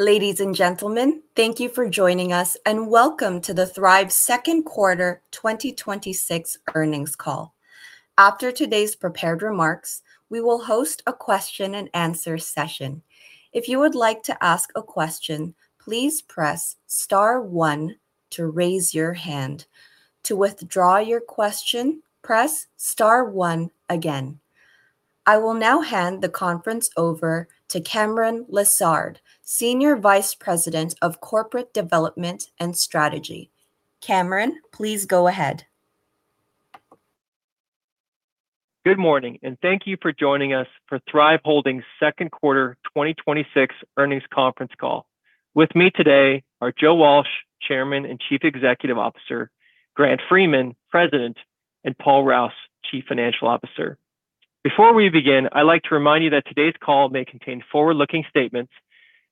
Ladies and gentlemen, thank you for joining us and welcome to the Thryv second quarter 2026 earnings call. After today's prepared remarks, we will host a question-and-answer session. If you would like to ask a question, please press star one to raise your hand. To withdraw your question, press star one again. I will now hand the conference over to Cameron Lessard, Senior Vice President of Corporate Development and Strategy. Cameron, please go ahead. Good morning, and thank you for joining us for Thryv Holding's second quarter 2026 earnings conference call. With me today are Joe Walsh, Chairman and Chief Executive Officer, Grant Freeman, President; and Paul Rouse, Chief Financial Officer. Before we begin, I'd like to remind you that today's call may contain forward-looking statements,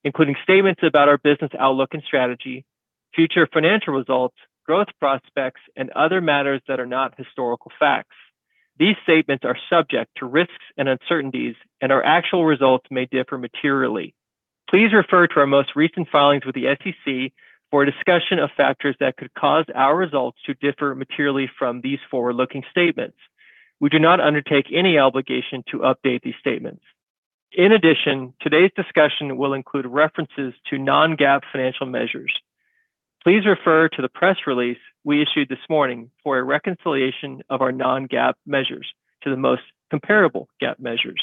including statements about our business outlook and strategy, future financial results, growth prospects, and other matters that are not historical facts. These statements are subject to risks and uncertainties, and our actual results may differ materially. Please refer to our most recent filings with the SEC for a discussion of factors that could cause our results to differ materially from these forward-looking statements. We do not undertake any obligation to update these statements. In addition, today's discussion will include references to non-GAAP financial measures. Please refer to the press release we issued this morning for a reconciliation of our non-GAAP measures to the most comparable GAAP measures.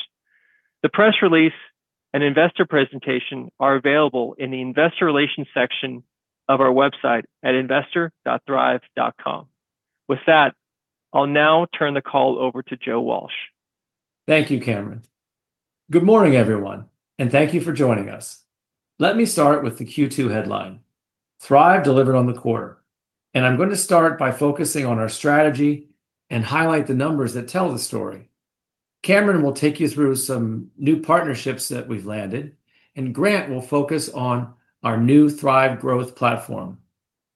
The press release and investor presentation are available in the investor relations section of our website at investor.thryv.com. With that, I'll now turn the call over to Joe Walsh. Thank you, Cameron. Good morning, everyone, and thank you for joining us. Let me start with the Q2 headline. Thryv delivered on the quarter, and I'm going to start by focusing on our strategy and highlight the numbers that tell the story. Cameron will take you through some new partnerships that we've landed, and Grant will focus on our new Thryv Growth Platform.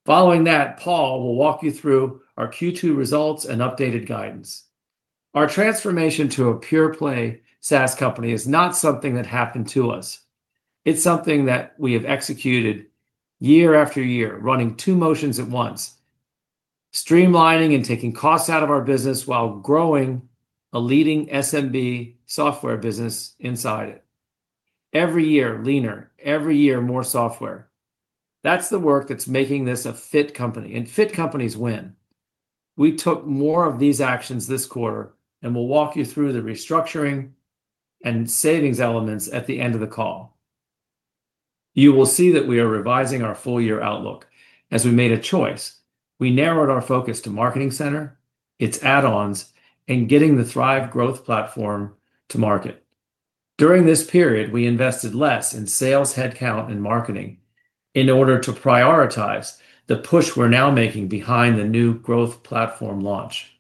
Following that, Paul will walk you through our Q2 results and updated guidance. Our transformation to a pure-play SaaS company is not something that happened to us. It's something that we have executed year after year, running two motions at once, streamlining and taking costs out of our business while growing a leading SMB software business inside it. Every year, leaner, every year, more software. That's the work that's making this a fit company, and fit companies win. We took more of these actions this quarter. We'll walk you through the restructuring and savings elements at the end of the call. You will see that we are revising our full-year outlook as we made a choice. We narrowed our focus to Marketing Center, its add-ons, and getting the Thryv Growth Platform to market. During this period, we invested less in sales headcount and marketing in order to prioritize the push we're now making behind the new growth platform launch.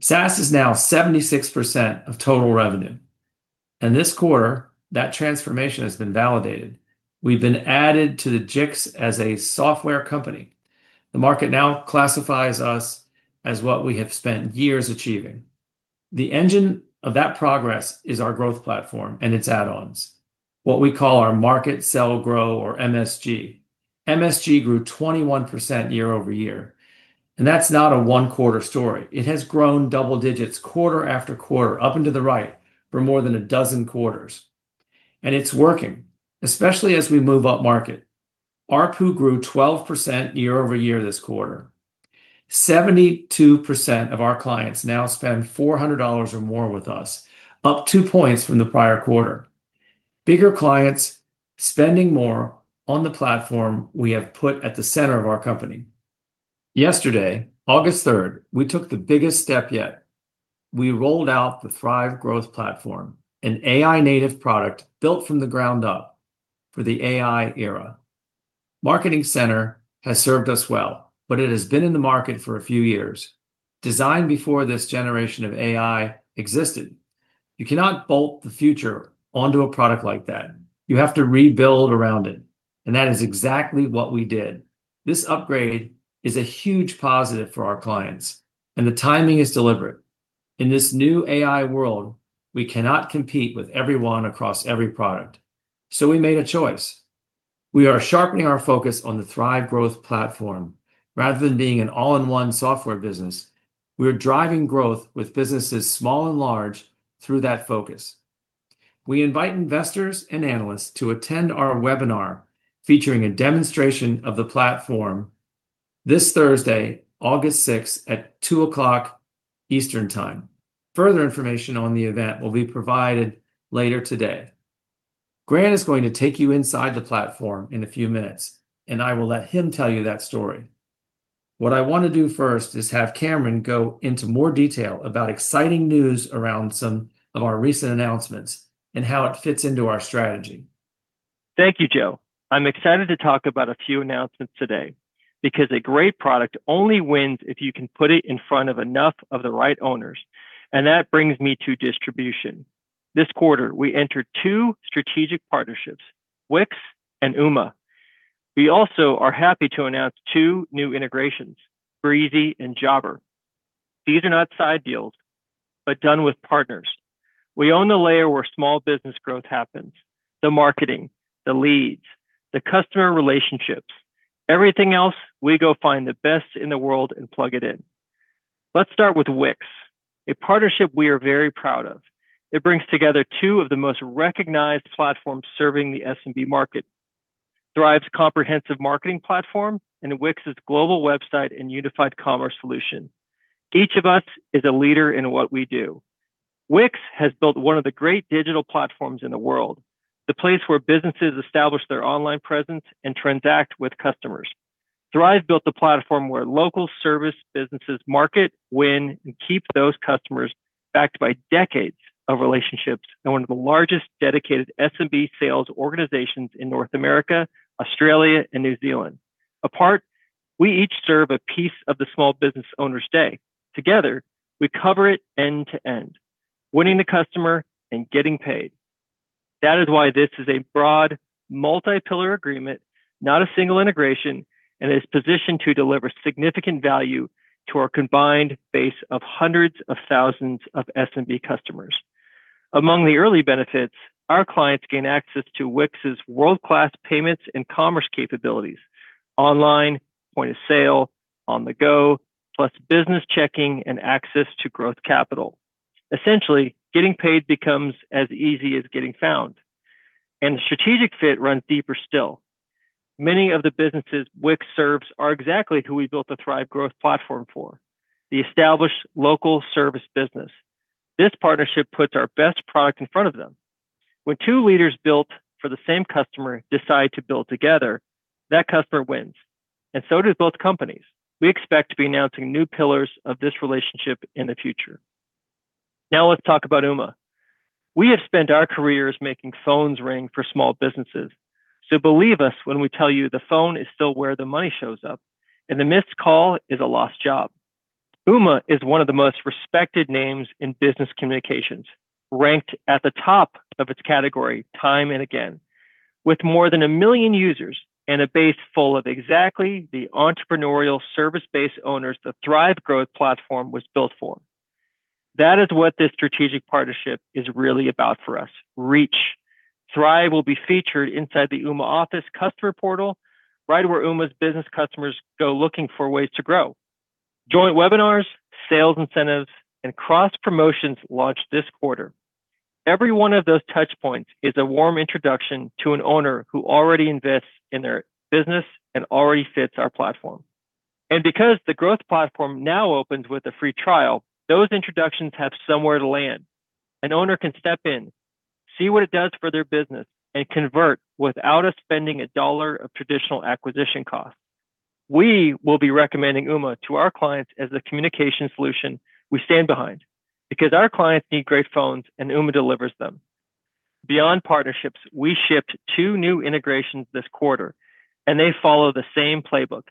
SaaS is now 76% of total revenue, and this quarter, that transformation has been validated. We've been added to the IGV as a software company. The market now classifies us as what we have spent years achieving. The engine of that progress is our growth platform and its add-ons, what we call our "Market, Sell, Grow", or MSG. MSG grew 21% year-over-year. That's not a one-quarter story. It has grown double digits quarter after quarter up into the right for more than a dozen quarters. It's working, especially as we move upmarket. ARPU grew 12% year-over-year this quarter. 72% of our clients now spend $400 or more with us, up two points from the prior quarter. Bigger clients spending more on the platform we have put at the center of our company. Yesterday, August 3rd, we took the biggest step yet. We rolled out the Thryv Growth Platform, an AI-native product built from the ground up for the AI era. Marketing Center has served us well, but it has been in the market for a few years. Designed before this generation of AI existed, you cannot bolt the future onto a product like that. You have to rebuild around it. That is exactly what we did. This upgrade is a huge positive for our clients. The timing is deliberate. In this new AI world, we cannot compete with everyone across every product. We made a choice. We are sharpening our focus on the Thryv Growth Platform. Rather than being an all-in-one software business, we are driving growth with businesses, small and large, through that focus. We invite investors and analysts to attend our webinar featuring a demonstration of the platform this Thursday, August 6th, at 2:00 P.M. Eastern time. Further information on the event will be provided later today. Grant is going to take you inside the platform in a few minutes. I will let him tell you that story. What I want to do first is have Cameron go into more detail about exciting news around some of our recent announcements and how it fits into our strategy. Thank you, Joe. I'm excited to talk about a few announcements today because a great product only wins if you can put it in front of enough of the right owners, and that brings me to distribution. This quarter, we entered two strategic partnerships, Wix and Ooma. We also are happy to announce two new integrations, Breesy and Jobber. These are not side deals, done with partners. We own the layer where small business growth happens, the marketing, the leads, the customer relationships. Everything else, we go find the best in the world and plug it in. Let's start with Wix, a partnership we are very proud of. It brings together two of the most recognized platforms serving the SMB market, Thryv's comprehensive marketing platform and Wix's global website and unified commerce solution. Each of us is a leader in what we do. Wix has built one of the great digital platforms in the world, the place where businesses establish their online presence and transact with customers. Thryv built the platform where local service businesses market, win, and keep those customers, backed by decades of relationships, and one of the largest dedicated SMB sales organizations in North America, Australia, and New Zealand. Apart, we each serve a piece of the small business owner's day. Together, we cover it end to end, winning the customer and getting paid. That is why this is a broad multi-pillar agreement, not a single integration, and is positioned to deliver significant value to our combined base of hundreds of thousands of SMB customers. Among the early benefits, our clients gain access to Wix's world-class payments and commerce capabilities, online, point-of-sale, on the go, plus business checking and access to growth capital. Essentially, getting paid becomes as easy as getting found. The strategic fit runs deeper still. Many of the businesses Wix serves are exactly who we built the Thryv Growth Platform for, the established local service business. This partnership puts our best product in front of them. When two leaders built for the same customer decide to build together, that customer wins, and so do both companies. We expect to be announcing new pillars of this relationship in the future. Let's talk about Ooma. We have spent our careers making phones ring for small businesses. Believe us when we tell you the phone is still where the money shows up, and the missed call is a lost job. Ooma is one of the most respected names in business communications, ranked at the top of its category time and again. With more than a million users and a base full of exactly the entrepreneurial service-based owners the Thryv Growth Platform was built for. That is what this strategic partnership is really about for us, reach. Thryv will be featured inside the Ooma Office customer portal, right where Ooma's business customers go looking for ways to grow. Joint webinars, sales incentives, and cross-promotions launch this quarter. Every one of those touchpoints is a warm introduction to an owner who already invests in their business and already fits our platform. Because the Growth Platform now opens with a free trial, those introductions have somewhere to land. An owner can step in, see what it does for their business, and convert without us spending $1 of traditional acquisition costs. We will be recommending Ooma to our clients as the communication solution we stand behind because our clients need great phones, and Ooma delivers them. Beyond partnerships, we shipped two new integrations this quarter. They follow the same playbook.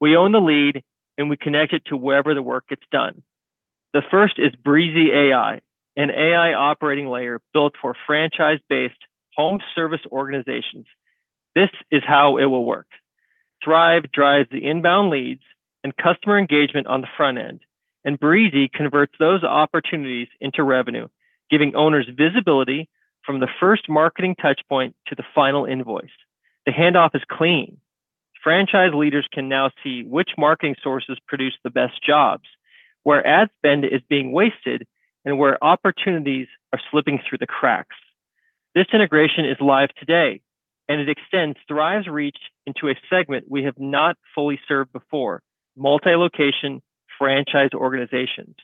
We own the lead, and we connect it to wherever the work gets done. The first is Breesy AI, an AI operating layer built for franchise-based home service organizations. This is how it will work. Thryv drives the inbound leads and customer engagement on the front end. Breesy converts those opportunities into revenue, giving owners visibility from the first marketing touchpoint to the final invoice. The handoff is clean. Franchise leaders can now see which marketing sources produce the best jobs, where ad spend is being wasted, and where opportunities are slipping through the cracks. This integration is live today. It extends Thryv's reach into a segment we have not fully served before, multi-location franchise organizations.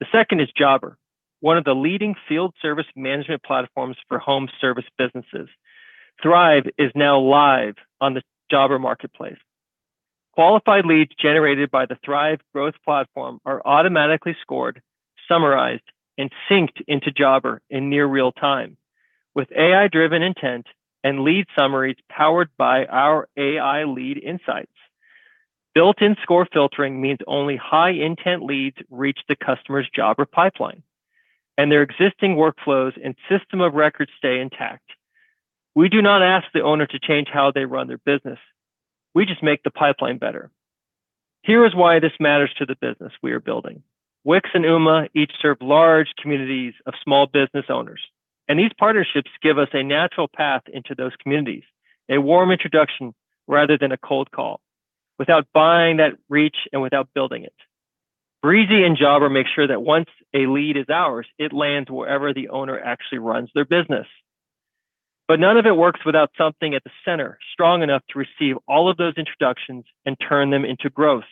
The second is Jobber, one of the leading field service management platforms for home service businesses. Thryv is now live on the Jobber marketplace. Qualified leads generated by the Thryv Growth Platform are automatically scored, summarized, and synced into Jobber in near real-time with AI-driven intent and lead summaries powered by our AI Lead Insights. Built-in score filtering means only high-intent leads reach the customer's Jobber pipeline. Their existing workflows and system of records stay intact. We do not ask the owner to change how they run their business. We just make the pipeline better. Here is why this matters to the business we are building. Wix and Ooma each serve large communities of small business owners. These partnerships give us a natural path into those communities, a warm introduction rather than a cold call, without buying that reach and without building it. Breesy and Jobber make sure that once a lead is ours, it lands wherever the owner actually runs their business. None of it works without something at the center strong enough to receive all of those introductions and turn them into growth.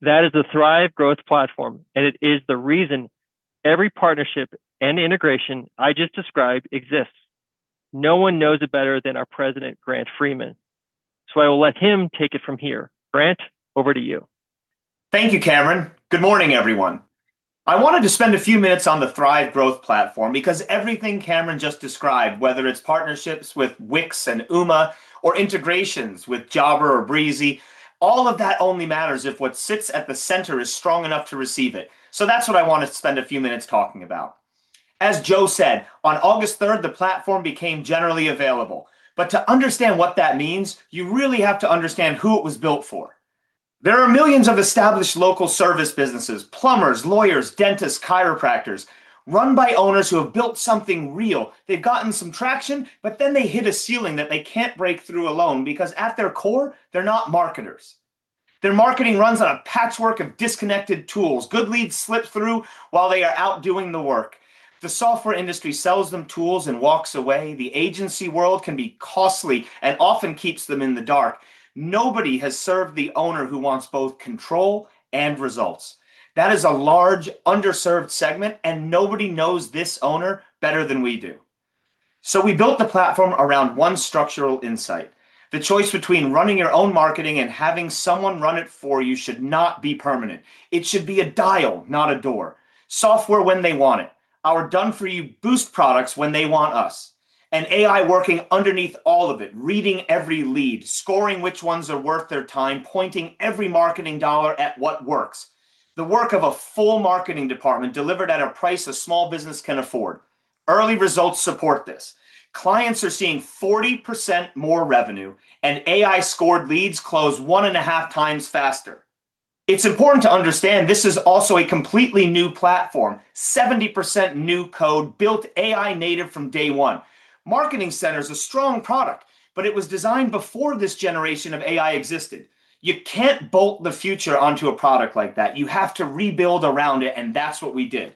That is the Thryv Growth Platform. It is the reason every partnership and integration I just described exists. No one knows it better than our President, Grant Freeman. I will let him take it from here. Grant, over to you. Thank you, Cameron. Good morning, everyone. I wanted to spend a few minutes on the Thryv Growth Platform. Everything Cameron just described, whether it's partnerships with Wix and Ooma or integrations with Jobber or Breesy, all of that only matters if what sits at the center is strong enough to receive it. That's what I want to spend a few minutes talking about. As Joe said, on August 3rd, the platform became generally available. To understand what that means, you really have to understand who it was built for. There are millions of established local service businesses, plumbers, lawyers, dentists, chiropractors, run by owners who have built something real. They've gotten some traction. They hit a ceiling that they can't break through alone because at their core, they're not marketers. Their marketing runs on a patchwork of disconnected tools. Good leads slip through while they are out doing the work. The software industry sells them tools and walks away. The agency world can be costly and often keeps them in the dark. Nobody has served the owner who wants both control and results. That is a large, underserved segment. Nobody knows this owner better than we do. We built the platform around one structural insight. The choice between running your own marketing and having someone run it for you should not be permanent. It should be a dial, not a door. Software when they want it, our done-for-you boost products when they want us. AI working underneath all of it, reading every lead, scoring which ones are worth their time, pointing every marketing dollar at what works. The work of a full marketing department delivered at a price a small business can afford. Early results support this. Clients are seeing 40% more revenue. AI-scored leads close one and a half times faster. It's important to understand this is also a completely new platform. 70% new code, built AI native from day one. Marketing Center's a strong product, but it was designed before this generation of AI existed. You can't bolt the future onto a product like that. You have to rebuild around it, and that's what we did.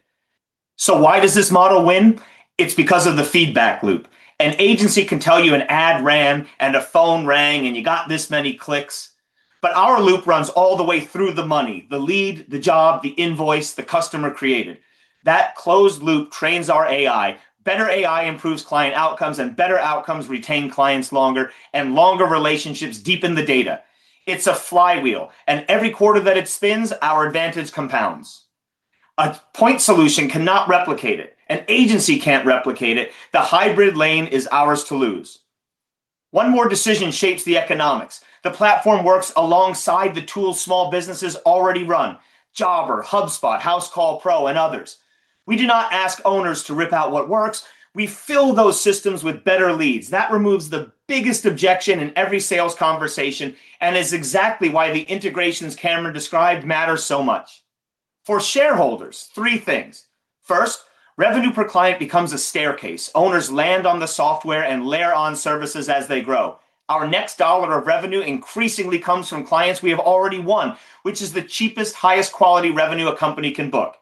Why does this model win? It's because of the feedback loop. An agency can tell you an ad ran and a phone rang and you got this many clicks, but our loop runs all the way through the money, the lead, the job, the invoice the customer created. That closed loop trains our AI. Better AI improves client outcomes. Better outcomes retain clients longer. Longer relationships deepen the data. It's a flywheel, and every quarter that it spins, our advantage compounds. A point solution cannot replicate it. An agency can't replicate it. The hybrid lane is ours to lose. One more decision shapes the economics. The platform works alongside the tools small businesses already run, Jobber, HubSpot, Housecall Pro, and others. We do not ask owners to rip out what works. We fill those systems with better leads. That removes the biggest objection in every sales conversation and is exactly why the integrations Cameron described matter so much. For shareholders, three things. First, revenue per client becomes a staircase. Owners land on the software and layer on services as they grow. Our next dollar of revenue increasingly comes from clients we have already won, which is the cheapest, highest quality revenue a company can book.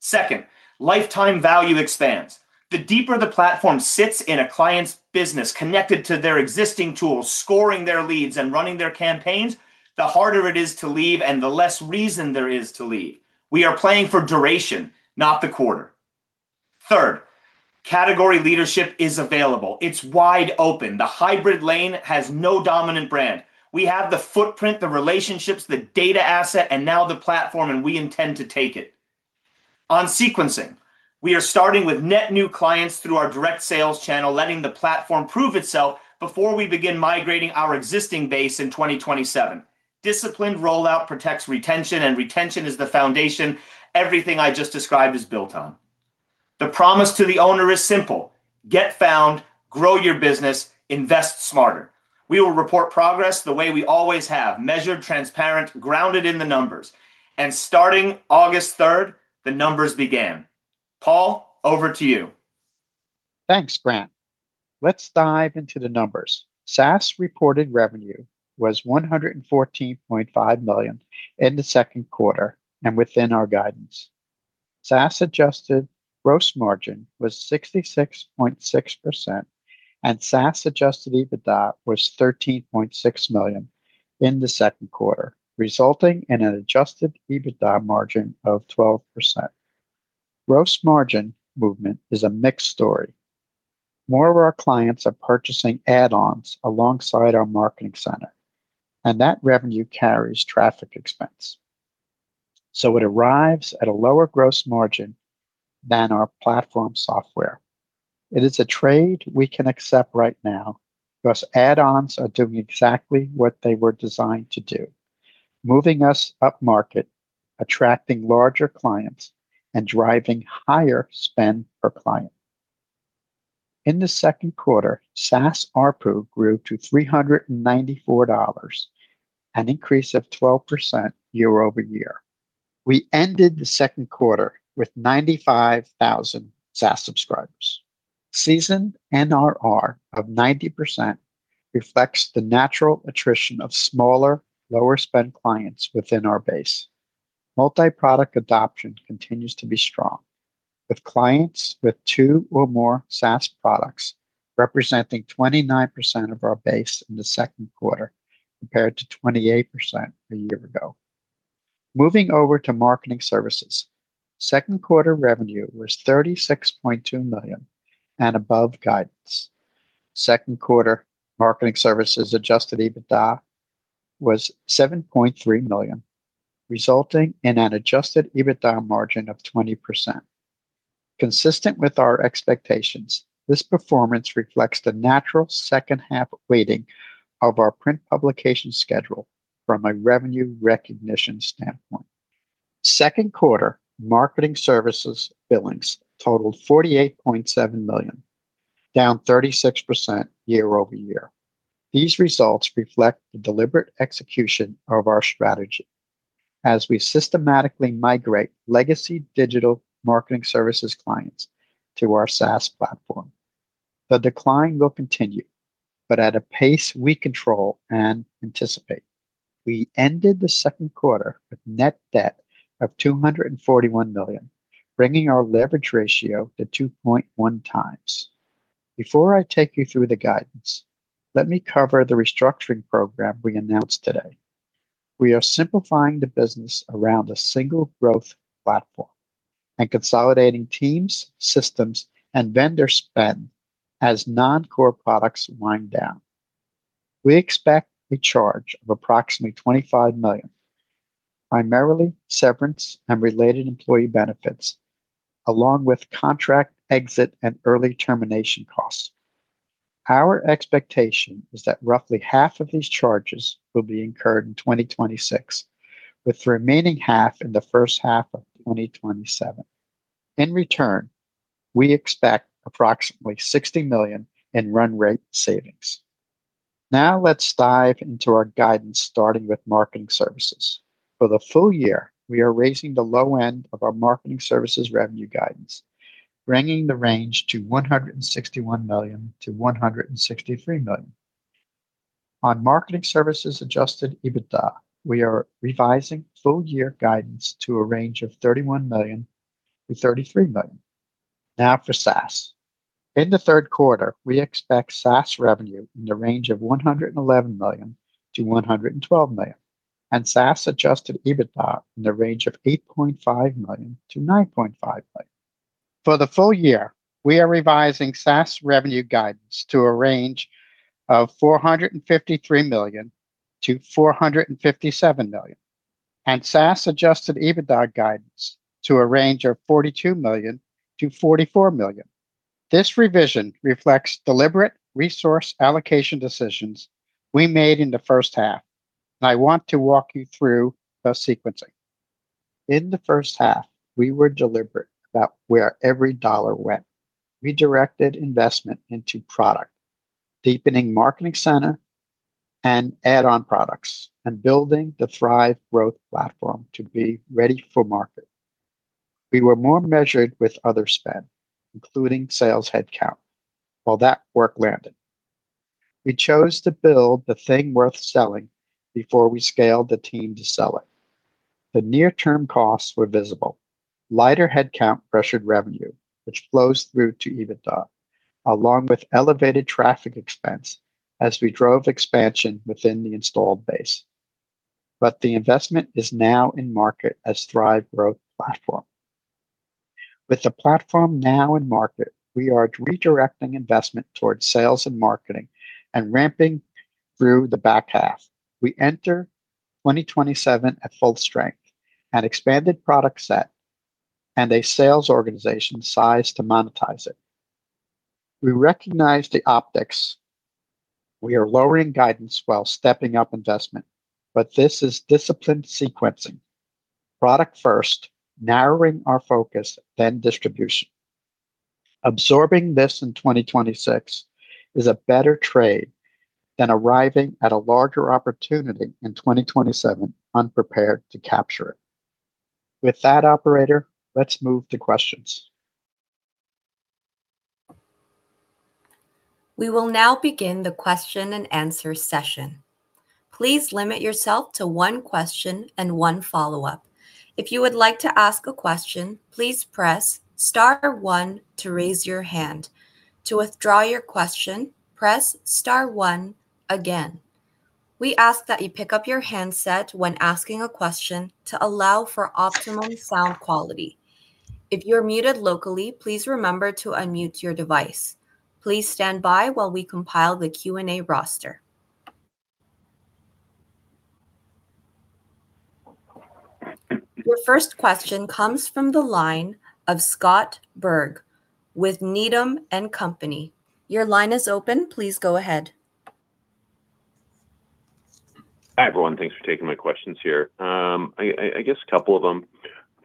Second, lifetime value expands. The deeper the platform sits in a client's business, connected to their existing tools, scoring their leads and running their campaigns, the harder it is to leave. The less reason there is to leave. We are playing for duration, not the quarter. Third, category leadership is available. It's wide open. The hybrid lane has no dominant brand. We have the footprint, the relationships, the data asset, and now the platform. We intend to take it. On sequencing, we are starting with net new clients through our direct sales channel, letting the platform prove itself before we begin migrating our existing base in 2027. Disciplined rollout protects retention. Retention is the foundation everything I just described is built on. The promise to the owner is simple. Get found, grow your business, invest smarter. We will report progress the way we always have, measured, transparent, grounded in the numbers. Starting August 3rd, the numbers began. Paul, over to you. Thanks, Grant. Let's dive into the numbers. SaaS reported revenue was $114.5 million in the second quarter and within our guidance. SaaS adjusted gross margin was 66.6%, and SaaS adjusted EBITDA was $13.6 million in the second quarter, resulting in an adjusted EBITDA margin of 12%. Gross margin movement is a mixed story. More of our clients are purchasing add-ons alongside our Marketing Center, and that revenue carries traffic expense. It arrives at a lower gross margin than our platform software. It is a trade we can accept right now, because add-ons are doing exactly what they were designed to do, moving us upmarket, attracting larger clients, and driving higher spend per client. In the second quarter, SaaS ARPU grew to $394, an increase of 12% year-over-year. We ended the second quarter with 95,000 SaaS subscribers. Seasoned NRR of 90% reflects the natural attrition of smaller, lower-spend clients within our base. Multi-product adoption continues to be strong, with clients with two or more SaaS products representing 29% of our base in the second quarter, compared to 28% a year-ago. Moving over to Marketing Services, second quarter revenue was $36.2 million and above guidance. Second quarter Marketing Services adjusted EBITDA was $7.3 million, resulting in an adjusted EBITDA margin of 20%. Consistent with our expectations, this performance reflects the natural second half weighting of our print publication schedule from a revenue recognition standpoint. Second quarter Marketing Services billings totaled $48.7 million, down 36% year-over-year. These results reflect the deliberate execution of our strategy as we systematically migrate legacy digital marketing services clients to our SaaS platform. The decline will continue, but at a pace we control and anticipate. We ended the second quarter with net debt of $241 million, bringing our leverage ratio to 2.1x. Before I take you through the guidance, let me cover the restructuring program we announced today. We are simplifying the business around a single growth platform and consolidating teams, systems, and vendor spend as non-core products wind down. We expect a charge of approximately $25 million, primarily severance and related employee benefits, along with contract exit and early termination costs. Our expectation is that roughly half of these charges will be incurred in 2026, with the remaining half in the first half of 2027. In return, we expect approximately $60 million in run rate savings. Let's dive into our guidance, starting with Marketing Services. For the full year, we are raising the low end of our Marketing Services revenue guidance, bringing the range to $161 million-$163 million. On Marketing Services adjusted EBITDA, we are revising full year guidance to a range of $31 million-$33 million. For SaaS. In the third quarter, we expect SaaS revenue in the range of $111 million-$112 million, and SaaS adjusted EBITDA in the range of $8.5 million-$9.5 million. For the full year, we are revising SaaS revenue guidance to a range of $453 million-$457 million, and SaaS adjusted EBITDA guidance to a range of $42 million-$44 million. This revision reflects deliberate resource allocation decisions we made in the first half, and I want to walk you through the sequencing. In the first half, we were deliberate about where every dollar went. We directed investment into product, deepening Marketing Center and add-on products, and building the Thryv Growth Platform to be ready for market. We were more measured with other spend, including sales headcount, while that work landed. We chose to build the thing worth selling before we scaled the team to sell it. The near-term costs were visible. Lighter headcount pressured revenue, which flows through to EBITDA, along with elevated traffic expense as we drove expansion within the installed base. The investment is now in market as Thryv Growth Platform. With the platform now in market, we are redirecting investment towards sales and marketing, and ramping through the back half. We enter 2027 at full strength, an expanded product set, and a sales organization sized to monetize it. We recognize the optics. We are lowering guidance while stepping up investment. This is disciplined sequencing. Product first, narrowing our focus, then distribution. Absorbing this in 2026 is a better trade than arriving at a larger opportunity in 2027 unprepared to capture it. With that, operator, let's move to questions. We will now begin the question-and-answer session. Please limit yourself to one question and one follow-up. If you would like to ask a question, please press star one to raise your hand. To withdraw your question, press star one again. We ask that you pick up your handset when asking a question to allow for optimum sound quality. If you're muted locally, please remember to unmute your device. Please stand by while we compile the Q&A roster. Your first question comes from the line of Scott Berg with Needham & Company. Your line is open. Please go ahead. Hi, everyone. Thanks for taking my questions here. I guess a couple of them.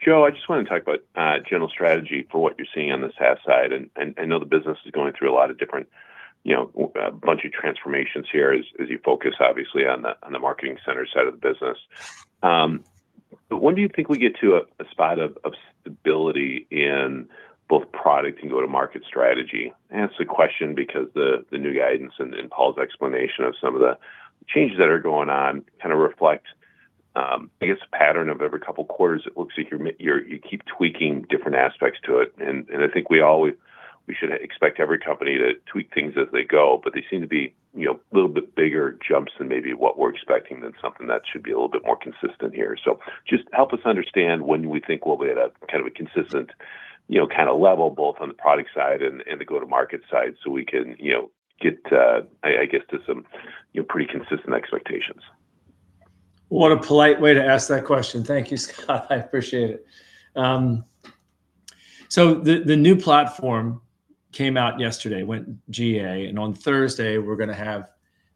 Joe, I just want to talk about general strategy for what you're seeing on the SaaS side. I know the business is going through a lot of different bunch of transformations here as you focus, obviously, on the Marketing Center side of the business. When do you think we get to a spot of stability in both product and go-to-market strategy? I ask the question because the new guidance and Paul's explanation of some of the changes that are going on kind of reflect, I guess, a pattern of every couple of quarters it looks like you keep tweaking different aspects to it. I think we should expect every company to tweak things as they go, they seem to be a little bit bigger jumps than maybe what we're expecting than something that should be a little bit more consistent here. Just help us understand when we think we'll be at a kind of a consistent kind of level, both on the product side and the go-to-market side, so we can get to some pretty consistent expectations. What a polite way to ask that question. Thank you, Scott. I appreciate it. The new platform came out yesterday, went GA, on Thursday we're going to have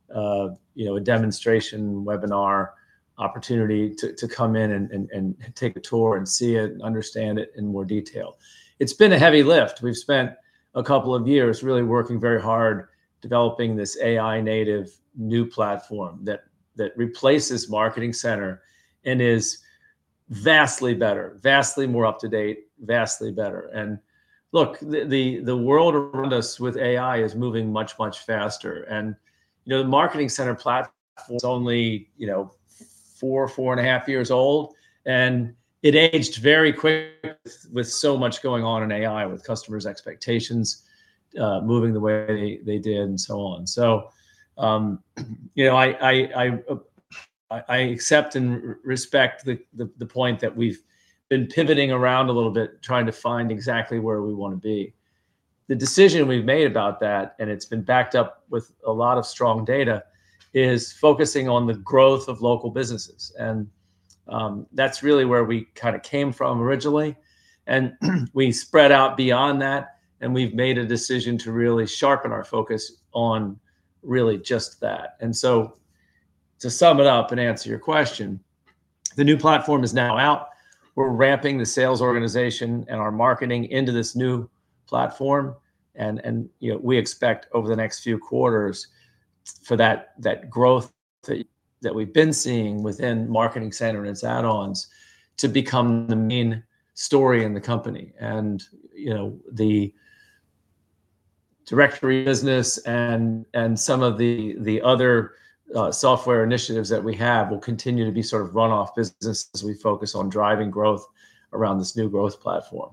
a demonstration webinar opportunity to come in and take a tour and see it and understand it in more detail. It's been a heavy lift. We've spent a couple of years really working very hard developing this AI native new platform that replaces Marketing Center and is vastly better, vastly more up to date, vastly better. Look, the world around us with AI is moving much, much faster. The Marketing Center platform was only four and a half years old, and it aged very quickly with so much going on in AI, with customers' expectations moving the way they did and so on. I accept and respect the point that we've been pivoting around a little bit, trying to find exactly where we want to be. The decision we've made about that, it's been backed up with a lot of strong data, is focusing on the growth of local businesses. That's really where we came from originally. We spread out beyond that, we've made a decision to really sharpen our focus on really just that. To sum it up and answer your question, the new platform is now out. We're ramping the sales organization and our marketing into this new platform. We expect over the next few quarters for that growth that we've been seeing within Marketing Center and its add-ons to become the main story in the company. The directory business and some of the other software initiatives that we have will continue to be run-off business as we focus on driving growth around this new growth platform.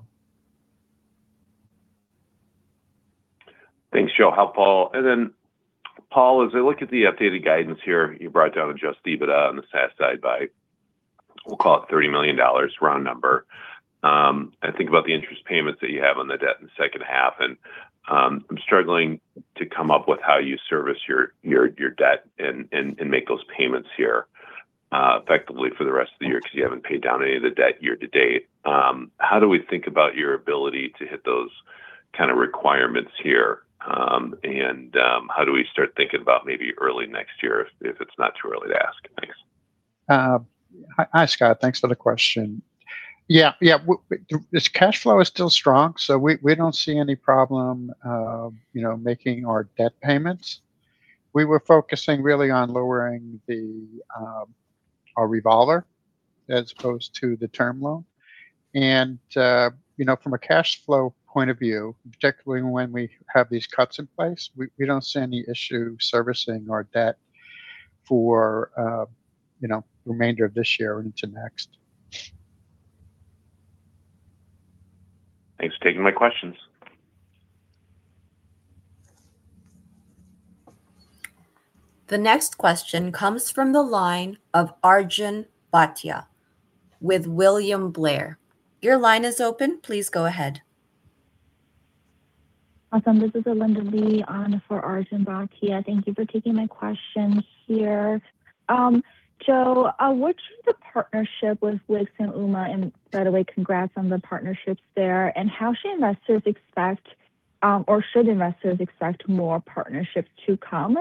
Thanks, Joe. Hi, Paul. Paul, as I look at the updated guidance here, you brought down Adjusted EBITDA on the SaaS side by, we'll call it $30 million round number. I think about the interest payments that you have on the debt in the second half, I'm struggling to come up with how you service your debt and make those payments here effectively for the rest of the year because you haven't paid down any of the debt year-to-date. How do we think about your ability to hit those kind of requirements here? How do we start thinking about maybe early next year, if it's not too early to ask? Thanks. Hi, Scott. Thanks for the question. Yeah. Cash flow is still strong, so we don't see any problem making our debt payments. We were focusing really on lowering our revolver as opposed to the term loan. From a cash flow point of view, particularly when we have these cuts in place, we don't see any issue servicing our debt for the remainder of this year into next. Thanks for taking my questions. The next question comes from the line of Arjun Bhatia with William Blair. Your line is open. Please go ahead. Awesome. This is Alinda Li on for Arjun Bhatia. Thank you for taking my question here. Joe, what should the partnership with Wix and Ooma, and by the way, congrats on the partnerships there, and how should investors expect or should investors expect more partnerships to come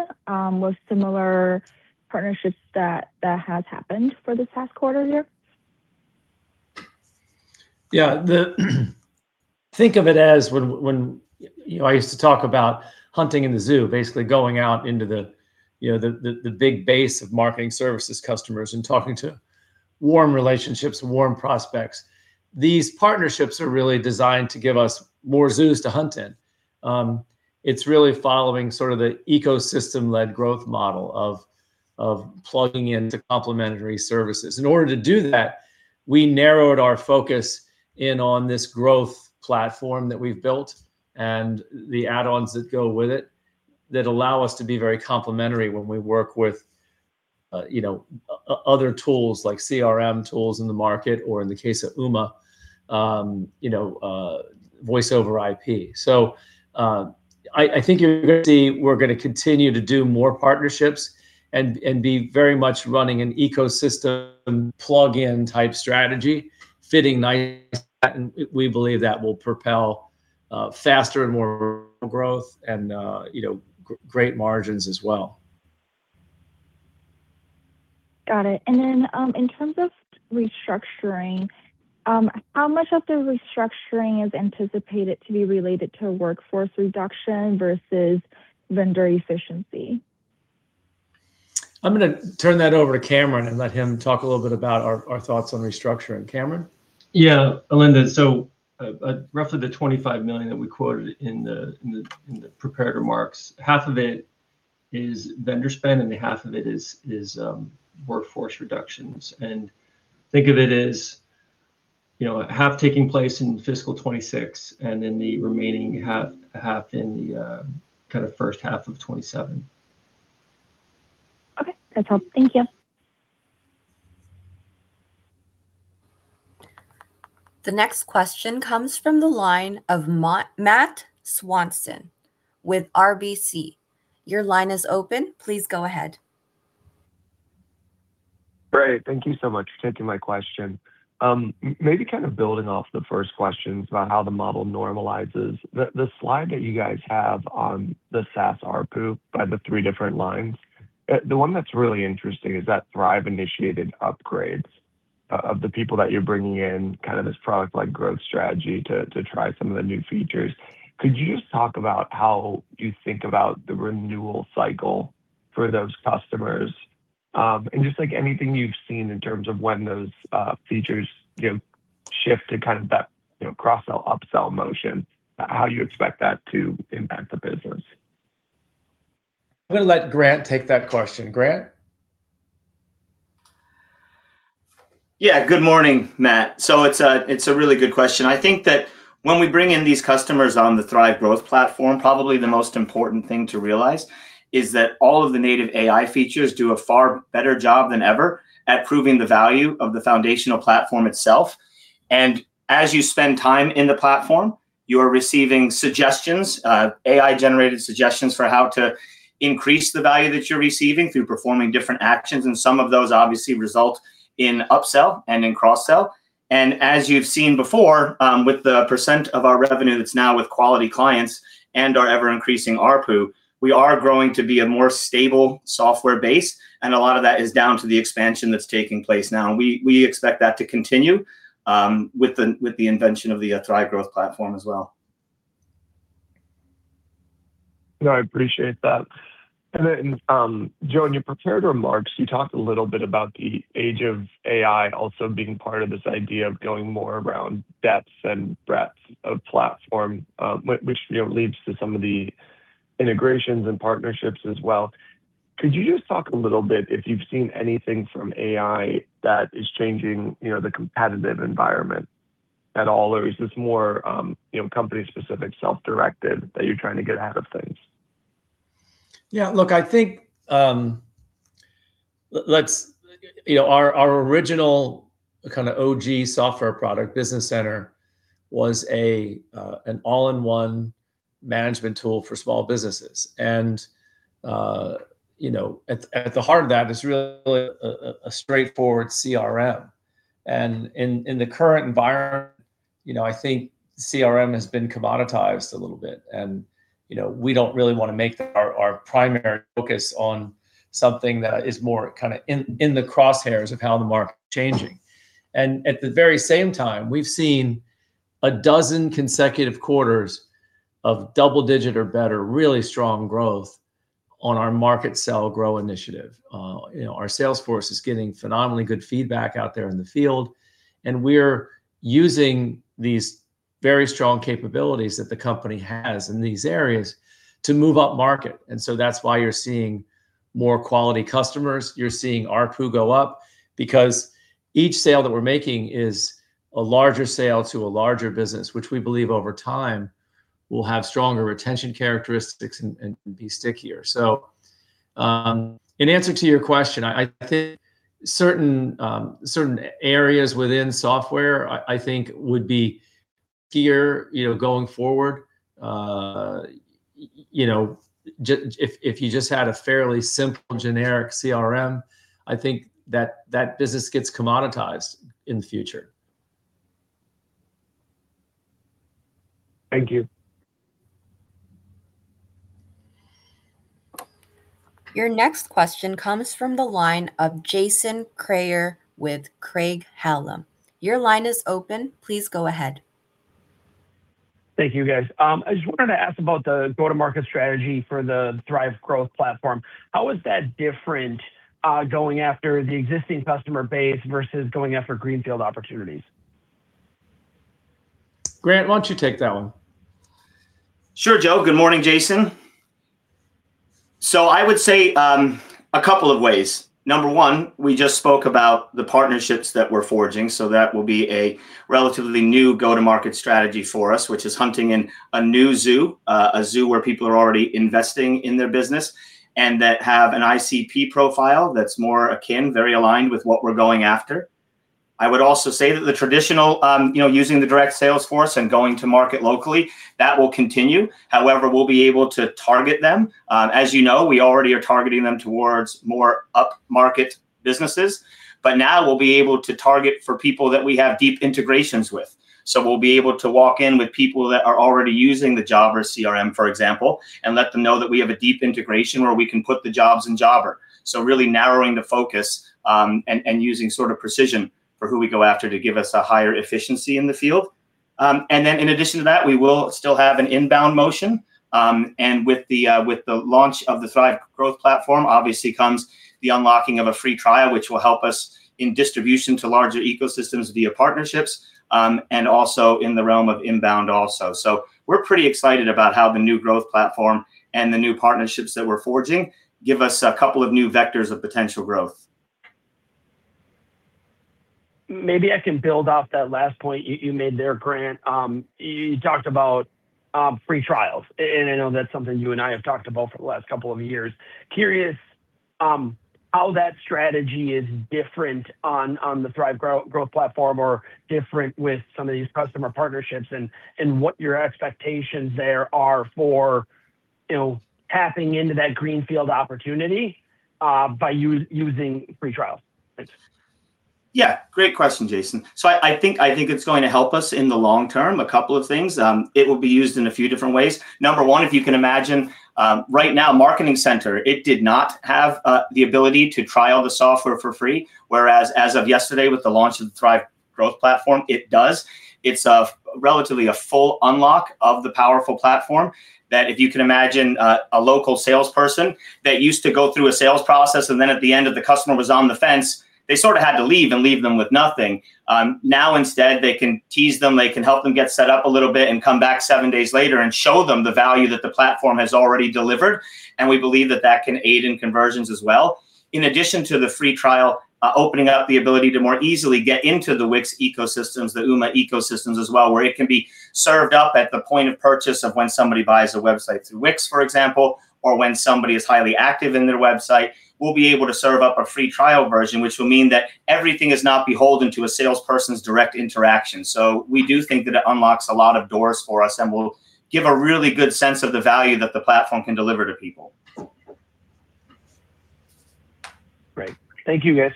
with similar partnerships that has happened for this past quarter year? Yeah. Think of it as when I used to talk about hunting in the zoo, basically going out into the big base of Marketing Services customers and talking to warm relationships and warm prospects. These partnerships are really designed to give us more zoos to hunt in. It's really following the ecosystem-led growth model of plugging into complimentary services. In order to do that, we narrowed our focus in on this growth platform that we've built and the add-ons that go with it that allow us to be very complimentary when we work with other tools like CRM tools in the market, or in the case of Ooma, voice over IP. I think you're going to see we're going to continue to do more partnerships and be very much running an ecosystem plugin type strategy fitting nicely, and we believe that will propel faster and more growth and great margins as well. Got it. In terms of restructuring, how much of the restructuring is anticipated to be related to workforce reduction versus vendor efficiency? I'm going to turn that over to Cameron and let him talk a little bit about our thoughts on restructuring. Cameron? Yeah, Alinda. Roughly the $25 million that we quoted in the prepared remarks, half of it is vendor spend, and half of it is workforce reductions. Think of it as half taking place in fiscal 2026, then the remaining half in the first half of 2027. Okay. That's all. Thank you. The next question comes from the line of Matt Swanson with RBC. Your line is open. Please go ahead. Great. Thank you so much for taking my question. Maybe building off the first questions about how the model normalizes. The slide that you guys have on the SaaS ARPU by the three different lines, the one that's really interesting is that Thryv-initiated upgrades of the people that you're bringing in, this product-like growth strategy to try some of the new features. Could you just talk about how you think about the renewal cycle for those customers? And just anything you've seen in terms of when those features shift to that cross-sell, up-sell motion, how you expect that to impact the business. I'm going to let Grant take that question. Grant? Yeah. Good morning, Matt. It's a really good question. I think that when we bring in these customers on the Thryv Growth Platform, probably the most important thing to realize is that all of the native AI features do a far better job than ever at proving the value of the foundational platform itself. As you spend time in the platform, you are receiving suggestions, AI-generated suggestions for how to increase the value that you're receiving through performing different actions, and some of those obviously result in up-sell and in cross-sell. As you've seen before, with the percent of our revenue that's now with quality clients and our ever-increasing ARPU, we are growing to be a more stable software base, and a lot of that is down to the expansion that's taking place now. We expect that to continue, with the invention of the Thryv Growth Platform as well. No, I appreciate that. Then, Joe, in your prepared remarks, you talked a little bit about the age of AI also being part of this idea of going more around depths and breadths of platform, which leads to some of the integrations and partnerships as well. Could you just talk a little bit if you've seen anything from AI that is changing the competitive environment at all, or is this more company-specific, self-directed that you're trying to get ahead of things? Yeah, look, our original OG software product Thryv Business Center was an all-in-one management tool for small businesses. At the heart of that is really a straightforward CRM. In the current environment, I think CRM has been commoditized a little bit, and we don't really want to make our primary focus on something that is more in the crosshairs of how the market's changing. At the very same time, we've seen 12 consecutive quarters of double-digit or better, really strong growth on our "Market, Sell, Grow" initiative. Our sales force is getting phenomenally good feedback out there in the field, and we're using these very strong capabilities that the company has in these areas to move upmarket. That's why you're seeing more quality customers, you're seeing ARPU go up, because each sale that we're making is a larger sale to a larger business, which we believe over time will have stronger retention characteristics and be stickier. In answer to your question, I think certain areas within software, I think would be here going forward. If you just had a fairly simple generic CRM, I think that that business gets commoditized in the future. Thank you. Your next question comes from the line of Jason Kreyer with Craig-Hallum. Your line is open. Please go ahead. Thank you, guys. I just wanted to ask about the go-to-market strategy for the Thryv Growth Platform. How is that different, going after the existing customer base versus going after greenfield opportunities? Grant, why don't you take that one? Sure, Joe. Good morning, Jason. I would say, a couple of ways. Number one, we just spoke about the partnerships that we're forging, that will be a relatively new go-to-market strategy for us, which is hunting in a new zoo, a zoo where people are already investing in their business, and that have an ICP profile that's more akin, very aligned with what we're going after. I would also say that the traditional using the direct sales force and going to market locally, that will continue. However, we'll be able to target them. As you know, we already are targeting them towards more upmarket businesses. Now we'll be able to target for people that we have deep integrations with. We'll be able to walk in with people that are already using the Jobber CRM, for example, and let them know that we have a deep integration where we can put the jobs in Jobber. Really narrowing the focus, and using sort of precision for who we go after to give us a higher efficiency in the field. Then in addition to that, we will still have an inbound motion. With the launch of the Thryv Growth Platform obviously comes the unlocking of a free trial, which will help us in distribution to larger ecosystems via partnerships, and also in the realm of inbound also. We're pretty excited about how the new Growth Platform and the new partnerships that we're forging give us a couple of new vectors of potential growth. Maybe I can build off that last point you made there, Grant. You talked about free trials, and I know that's something you and I have talked about for the last couple of years. Curious how that strategy is different on the Thryv Growth Platform or different with some of these customer partnerships, and what your expectations there are for tapping into that greenfield opportunity, by using free trials. Thanks. Yeah. Great question, Jason. I think it's going to help us in the long term, a couple of things. It will be used in a few different ways. Number one, if you can imagine, right now, Marketing Center, it did not have the ability to try all the software for free. Whereas as of yesterday, with the launch of Thryv Growth Platform, it does. It's relatively a full unlock of the powerful platform that if you can imagine a local salesperson that used to go through a sales process and then at the end if the customer was on the fence, they sort of had to leave and leave them with nothing. Instead, they can tease them, they can help them get set up a little bit and come back seven days later and show them the value that the platform has already delivered, and we believe that that can aid in conversions as well. In addition to the free trial, opening up the ability to more easily get into the Wix ecosystems, the Ooma ecosystems as well, where it can be served up at the point of purchase of when somebody buys a website through Wix, for example, or when somebody is highly active in their website, we'll be able to serve up a free trial version, which will mean that everything is not beholden to a salesperson's direct interaction. We do think that it unlocks a lot of doors for us and will give a really good sense of the value that the platform can deliver to people. Great. Thank you, guys.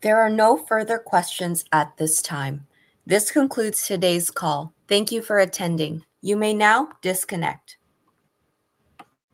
There are no further questions at this time. This concludes today's call. Thank you for attending. You may now disconnect.